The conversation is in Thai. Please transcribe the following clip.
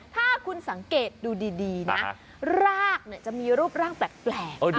ถ้าคุณสังเกตดูดีนะรากจะมีรูปร่างแปลก